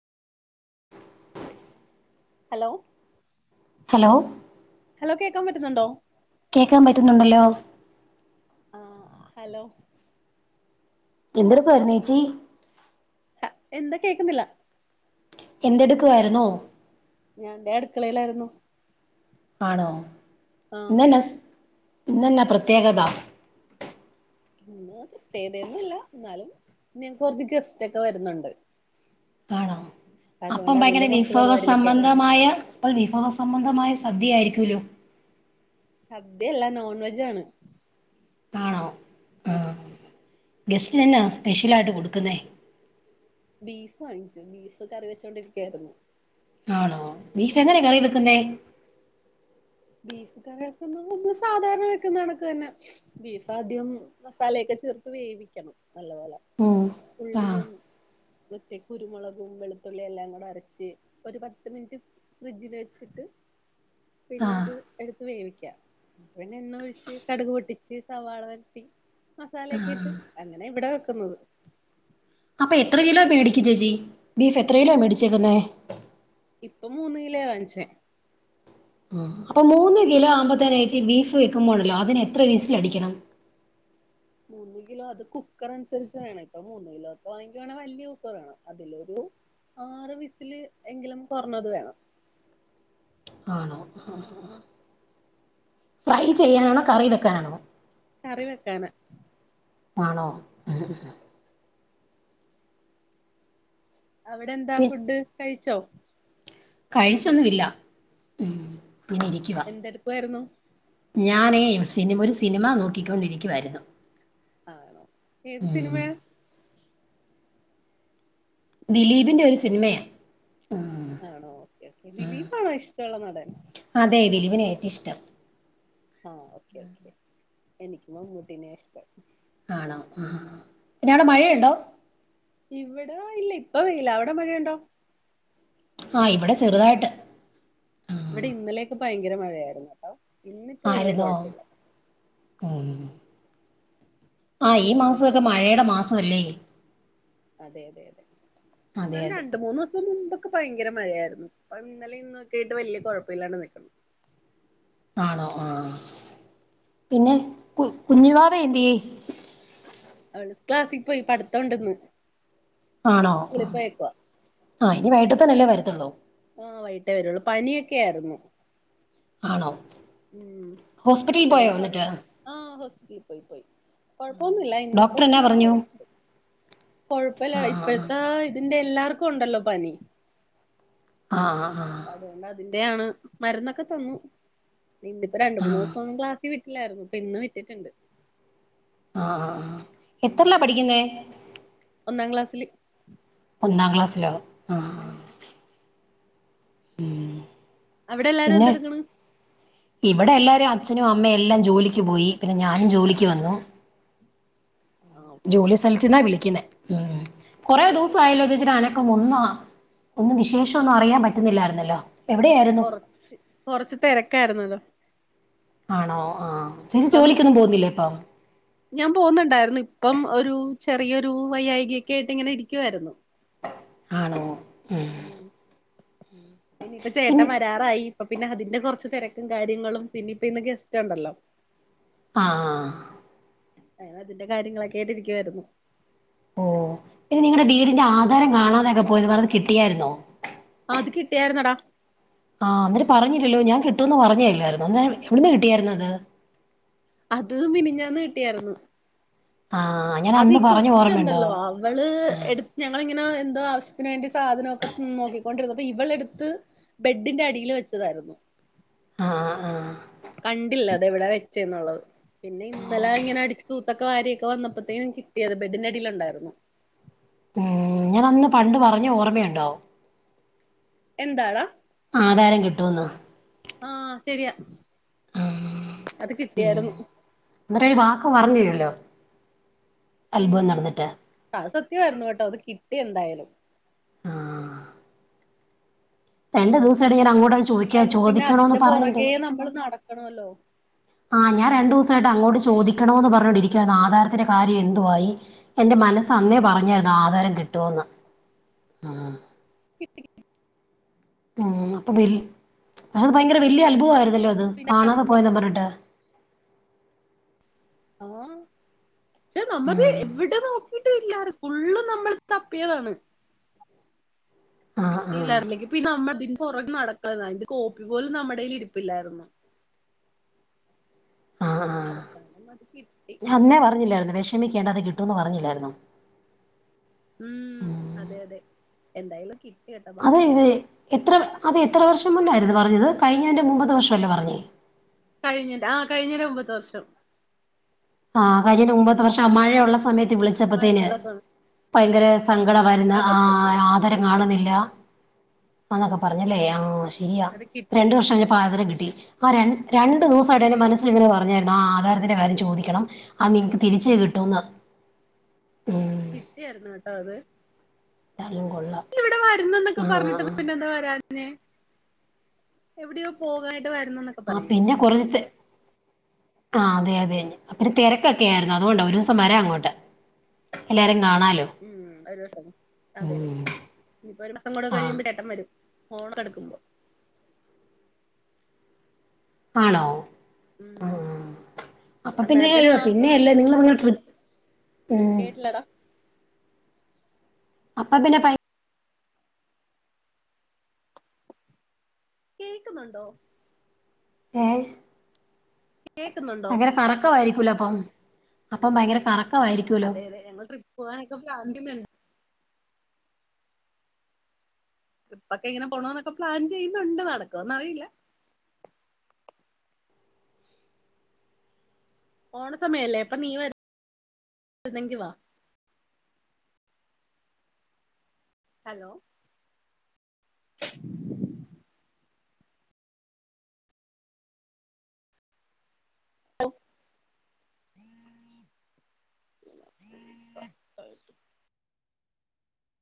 Hello hello hello കേൾക്കാൻ പറ്റുന്നുണ്ടോ? കേൾക്കാൻ പറ്റുന്നുണ്ടല്ലോ ആഹ് ഹലോ എന്തടുക്കായിരുന്നേച്ചി എന്താ കേക്കുന്നില്ല എന്തെടുക്കുമായിരുന്നോ? ഞാൻന്റെ അടുക്കളയിലായിരുന്നു ആണോ ആഹ് ഇന്നന്നെ ഇന്നന്നെ പ്രത്യേകത ഇന്ന് പ്രത്യേകതന്നൂല്ല എന്നാലും ങ്ങക്ക് കുറച്ച് ഗസ്റ്റ് ഒക്കെ വരുന്നുണ്ട്. ആണോ അതുകൊണ്ട് അപ്പം അതിന്റെ ഭയങ്കര കുറച്ച് വിഭവ പരിപാടിയിലൊക്കെ ആയിരുന്നു സംംബന്ധമായ അപ്പോൾ വിവാഹ സംബന്ധമായ സദ്യയായിരിക്കുമല്ലോ? സദ്യയല്ല നോൺ വെജ ആണ്. കാണോ ആഹ് ഗെസ്റ്റിന എന്നാ സ്പെഷ്യൽ ആയിട്ട് കൊടുക്കുന്നേ? ബീഫ് വാങ്ങിച്ചു ബീഫ് കറി വെച്ചൊണ്ടിരിക്കായിരുന്നു. ആണോ ബീഫ് എങ്ങനെ കറി വെക്കുന്നെ ബീഫ് കറി വെക്കുന്ന നമ്മള് സാധാരണ വെക്കുന്ന കാണക്ക് തന്നെ ബീഫ് ആദ്യം മസാലയൊക്കെ ചേർത്ത് വേവിക്കണം നല്ല പോലെ ഉം ആ ഉള്ളിയും മറ്റേ കുരുമുളകും വെളുത്തുള്ളിയ എല്ലാം കൂടെ അരച്ച് ഒരു പത്ത് മിനിറ്റ് ഫ്രിഡ്ജിൽ വെച്ചിട്ട് ആ പിന്നെ അത് എടുത്ത് വേവിക്കാം പിന്നെ എണ്ണ ഒഴിച്ച് കടുക് പൊട്ടിച്ച് സവാള വട്ടി മസാല ഒക്കെ ഇട്ട് അങ്ങനെ ഇവിടെ വെക്കുന്നത് അപ്പൊ എത്ര കിലോ മേടിക്ക ചേച്ചി ബീഫ് എത്ര കിലോ മേടിച്ചേക്കുന്നേ ഇപ്പൊ മൂന്ന്‌ കിലോ വാങ്ങിച്ചേ ആ അപ്പൊ മൂന്ന് കിലോ ആമ്പത്തനഴച്ചി ബീഫ് വെക്കുമ്പോണ്ടല്ലോ അതിന് എത്ര വിസിൽ അടിക്കണം മൂന്ന് കിലോ അത് കുക്കർ അനുസരിച്ച് വേണം ഇപ്പ മൂന്ന് കിലോ ഒക്കെ വാങ്ങ വേണ വലിയ കുക്കർ വേണം അതിലൊരു ആറ് വിസില് എങ്കിലും കൊറഞ്ഞത് വേണം. ആണോ ആഹ് ഹാ ഫ്രൈ ചെയ്യാനാണോ കറിവെക്കാനാണോ കറിവെക്കാന ആണോ അവിടെ എന്താ പി ഫുഡ് കഴിച്ചോ കഴിച്ചൊന്നുമില്ല ഹമ് എന്തെടുക്കുആയിരുന്നു. ഞാനേ സിനിമ ഒരു സിനിമ നോക്കിക്കൊണ്ടിരിക്കുവായിരുന്നു. ആണോ ഏത് ഉം സിനിമയ ദിലീപിന്റെ ഒരു സിനിമയാ ആണോ ഓക്കേ ഓക്കെ ദിലീപാണോ ഇഷ്ടമുള്ള നടൻ അതെ ദിലീപിനെയ ഏറ്റം ഇഷ്ടം ആഹ് ഓക്കെ ഓക്കെ എനിക്ക് മമ്മൂട്ടിനെ ഇഷ്ടം ആണോ ആ പിന്നഅവിടെ മഴയുണ്ടോ ഇവിടെ ഇല്ല ഇപ്പവെയില അവിടെ മഴണ്ടോ ആഹ് ഇവിടെ ചെറുതായിട്ട് ആ ഇവിടെ ഇന്നലെയക്ക് ഭയങ്കര മഴയായിരുന്നു കേട്ടോ ഇന്നിപ്പോ വലിയ ആരുന്നോ കുഴപ്പമില്ല ഉം ആ ഈ അവര് മാസത്തൊക്കെ മഴയുടെ മാസമല്ലേ അതെ അതെ അതെ അതെ പക്ഷെ അതെ രണ്ട് മൂന്ന് ദിവസം മുമ്പ് ക്ക് ഭയങ്കര മഴയായിരുന്നു ഇപ്പം ഇന്നലെ ഇന്നൊക്കെയിട്ട് വലിയ കൊഴപ്പല്ല്യാണ്ട് നിൽക്കു. ആണോ ആ പിന്നെ കു കുഞ്ഞുവാവ എന്തേയെ അവള് ക്ലാസ്സിൽ പോയി പഠത്തോണ്ടന്ന്. ആണോ ആ ഇനി വൈട്ടതന്നല്ലേ വരത്തുള്ളൂ ആഹ് വൈകിട്ടേ വരുള്ളൂ പനിയൊക്കെ ആയിരുന്നു. ആണോ ഉം ഹോസ്പിറ്റലിൽ പോയോ ഇന്ന് പൾ എന്നിട്ട് ആഹ ഹോസ്പിറ്റലിൽ പോയി പോയി കൊഴപ്പൊന്നുമില്ല ഇന്നിപ്പ ഡോക്ടർ എന്നാ സ്കൂളിൽ പറഞ്ഞു പോയിട്ടുണ്ട് കൊഴപ്പില്ല ആഹ് ഇപ്പഴത്തെ ഇതിന്റെ എല്ലാർക്കും ഒണ്ടല്ലോ പനി ആഹ് ആ ആ അതുകൊണ്ട് അതിന്റെയണ് മരുന്നൊക്കെ തന്നു ഇന്നിപ്പോ രണ്ട് ആഹ് മൂന്ന് ആഹ് ദിവസം ക്ലാസ്സിൽ വിട്ട ലയിരുന്നു ഇപ്പൊ ഇന്ന് വിട്ടിട്ടുണ്ട്. ആ ആ ആഹ് എത്രല്ലാ പഠിക്കുന്നെ ഒന്നാം ക്ലാസ്സില് ഒന്നാം ക്ലാസ്സിലോ ആഹ് ഉം ആഹ് അവിടെ എല്ലാരും പിന്നെ എന്തെടുക്കണ് ഇവിടെ എല്ലാവാരും അച്ഛനും അമ്മയും എല്ലാം ജോലിക്ക് പോയി പിന്നെ ഞാനും ജോലിക്ക് വന്നു ആ ഓക്കെ ജോലി സ്ഥലത്ത് നിന്ന വിളിക്കുന്നേ ഉം കൊറെ ദിവസ അതെല്ലേ ആയല്ലോ ചോച്ചിടെ അന ക്കംഒന്നാ വിശേഷം ഒന്നും അറിയാൻ പറ്റുന്നില്ലായിരുന്നല്ലോ എവിടെയായിരുന്നു കൊറ കൊറച്ച് തിരക്കായിരുന്നു അല്ലോ ആണോ ആ ചേച്ചി ഇപ്പം ജോലിക്കൊന്നും പോന്നില്ലേ ഇപ്പൊ ഞാൻ പോകുന്നുണ്ടായിരുന്നു ഇപ്പം ഒരു ചെറിയൊരു വൈയകൊക്കെ ആയിട്ട് ഇങ്ങനെ ഇരിക്കുവായിരുന്നു ആണോ ഉം പിന്നെ ഇപ്പചേട്ടൻ പിൻ വരാറായി അപ്പൊ പിന്നെ അതിന്റെ കൊറച്ച് തെരക്കും കാര്യങ്ങളും പിന്നെ ഇപ്പ ഇന്ന് ഗസ്റ്റ്ണ്ടല്ലോ ആ ആ ആ അ അതിന്റെ കാര്യങ്ങളൊക്കെയിട്ട് ഇരിക്കുവായിരുന്നു. ഓ പിന്നെ നിങ്ങടെ വീടിന്റെ ആധാരം കാണാതൊക്കെ പോയത് പറഞ്ഞത് കിട്ടിയായിരുന്നോ? ആ അത് കിട്ടിയായിരുന്നടാ ആഹ് ന്നിട്ട് പറഞ്ഞില്ലല്ലോ ഞാൻ കിട്ടുന്ന് പറഞ്ഞേല്ലായിരുന്നു അന്നേരം എവിടന്ന് കിട്ടിയായിരുന്നത് അത് മിനിഞ്ഞാന്ന് കിട്ടിയായിരുന്നു. ആഹ് ഞാൻ അത് അന്ന് ഈ പറഞ്ഞ് ഓർമ്മയുണ്ടോ? കൊച്ചുണ്ടല്ലോ അവള് എടുത്ത് ഞങ്ങളിങ്ങനെ എന്തോ ആവശ്യത്തിന് വേണ്ടി സാധനക്കെ നോക്കി. പോണ്ടുന്നത് അപ്പൊ ഇവളടുത്ത് ബെഡിന്റെ അടില് വെച്ചതായിരുന്നു. ആഹ് ആഹ് കണ്ടില്ല അതെവിടാ വെച്ചന്നുള്ളത് പിന്നെ ഇന്നലെ ഇങ്ങനെ അടിച് കൊ ഇതക്കൊ വാര്യൊക്ക വന്നപ്പത്തേും നിക്ക് കിട്ടിയത് ബെഡിന്റെ അടിയിലുണ്ടായിരുന്നു ഉം ഞാൻ അന്ന് പണ്ട് പറഞ്ഞ ഓർമ്മയുണ്ടോ? എന്താടാ ആധാരം കിട്ടൂന്ന് ആഹ് ശരിയാ അത് കിട്ടിയായിരുന്നു. എന്നിട്ട് ഒരു വാക്ക് പറഞ്ഞുല്ലല്ലോ ഉം ആഹ് സത്യവായിരുന്നു കേട്ടോ അത് കിട്ടി എന്തായാലും. ആഹ് രണ്ടു ദിവസായിട്ട് ഞാൻ അത് അങ്ങോട്ടത് ചോയിക്ക കിട്ടിയില്ലായിരുന്ന പിന്നെ ചോദിക്കണോന്ന് അതിന്റെ പറയേട്ട് പുറകെ നമ്മൾ നടക്കണമല്ലോ ആഹ് ഞാൻ രണ്ടുസായിട്ട് അങ്ങോട്ട് ചോദിക്കണോന്ന് പറഞ്ഞോണ്ടിരിക്കുകയരുന്നു ആധാരത്തിന്റെറെ കാര്യം എന്തുവായി? എന്റെ മനസ്സ് അന്നേ പറഞ്ഞായിരുന്നു ആധാരം കിട്ടുന്ന്. കിട്ടി കിട്ടി അപ്പം വല്ലി അത് ഭയങ്കര വല്യ അല്ലെങ്കി അദ്ഭുതവയിരുന്നല്ലോ നമ്മള് അത് പിന്നെ അത് കാണാതെ പോയന്നർഞ്ഞിട്ട്. പക്ഷേ നമ്മള് ഉം, എവിടെന്നോ കിട്ട് ഇല്ലാതെ ഫുള്ളും നമ്മള് തപ്പിയതാണ്. ആ ആ കിട്ടില്ലായിരുന്നെങ്കി പിന്നെ നമ്മതിന്റെ പുറകെ നടക്കണയി അതിന്റെ കോപ്പി പോലും നമ്മുടെല് ഇരിപ്പില്ലായിരുന്നു. [unintelligible] ആഹ് ആഹ് അവസാനം അത് കിട്ടി ഞ അന്നേ പറഞ്ഞില്ലായിരുന്നോ വിഷമിക്കേണ്ട അത് കിട്ടുന്ന് പറഞ്ഞില്ലായിരുന്നോ. ഉം... അതെ അതെ എന്തായാലും കി അതെ ഇത് എത്ര അതെ എത്ര വർഷം മുന്നായിരുന്നു പറഞ്ഞത് കഴിഞ്ഞതിന്റെ മുമ്പത്തെ വർഷല്ലേ പറഞ്ഞേ കഴിഞ്ഞിന്റെ ആഹ് കഴിഞ്ഞന്റെ മുമ്പത്തെ വർഷം. ആഹ് കഴിഞ്ഞന്റെ മുമ്പത്തെ വർഷം മഴയുള്ള സമയത്ത്. വിളിച്ചപ്പത്തേന് മഴയുള്ള സമയം ഭയങ്കര സങ്കടവായിരുന്നു അതെ ആ അതെ ആദാരം കാണുന്നില്ല. അന്നൊക്കെ പറഞ്ഞല്ലേ ആഹ് ശരിയാ അത് കിട്ടി രണ്ട് കിട്ടി വർഷം പ്പ ദാരം കിട്ടി രണ്ട് രണ്ടു ദിവസായിട്ട് എന്റെ മനസ്സിൽ ഇങ്ങനെ പറഞ്ഞായിരുന്നു ആധാരത്തിന്റെ കാര്യം ചോദിക്കണം അത് നിൻക്ക് തിരിചേ കിട്ടൂന്ന് ഉം കിട്ടിയായിരുന്നു ട്ടോ അത് എന്തായാലും കൊള്ളാം ഇവിടെ വരുന്നുന്നൊക്കെ ആ പറഞ്ഞിട്ട് പിന്നെ എന്താ വരാഞ്ഞെ പിന്നെ എവിടെയോ പോകായിട്ട് വരുന്നുന്ന് ആ പിന്നെ കൊറ തെ ആഹ് അതെ അതെ ഒതിരി തിരക്കൊക്കെ ആയിരുന്നു അതുകൊണ്ടാ ഒരിസം വരാങ്ങോട്ട് എല്ലാരിം കാണാലോ ഉം ഒരു ദിവസം അതെ തെ ഉം ഇനിപ്പോ ഒരു മാസം കൂടെ ആ കഴിയുമ്പോ ചേട്ടംവരും ഓണടുക്കുമ്പോ ആണോ ഉം ആഹ് അപ്പൊ പിന്നെ അന്നേരത്തിന് യോ ആ പിന്നെ അല്ലേ നിങ്ങൾ നിങ്ങ ട്രിപ്പ് കേട്ടില്ലടാ അപ്പ പിന്നെ പയി കേൾക്കുന്നുണ്ടോ? ഏഹ് കേക്കുന്നുണ്ടോ ഭയങ്കര കറക്കവായിരിക്കൂലപ്പം അപ്പം ഭയങ്കര കറ അതെ അതെഞങ്ങൾ ട്രിപ്പ് പോകാനൊക്ക പ്ലാൻ ചെയ്യു ട്രിപ്പൊക്കെങ്ങനെ പോണോ എന്നൊക്കെ പ്ലാൻ ചെയ്യുന്നുണ്ട് നടക്കോന്നറിയില്ല ഓണ സമയല്ലേ അപ്പൊ നീ വരുന്നെങ്കി വാ ഹലോ ഹ [inaudible] [inaudible]